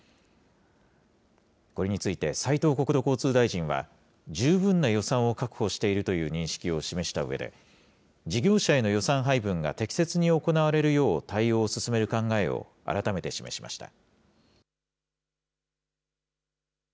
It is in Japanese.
これについて斉藤国土交通大臣は、十分な予算を確保しているという認識を示したうえで、事業者への予算配分が適切に行われるよう対応を進める考えを改めて示しました。